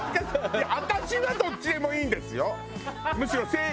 いや私はどっちでもいいんですよ。